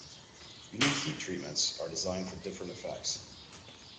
Unique heat treatments are designed for different effects.